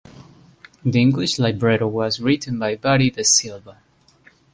The English libretto was written by Buddy DeSylva.